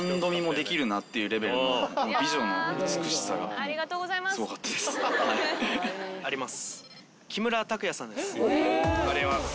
ありがとうございます！